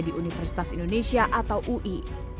di universitas indonesia atau ui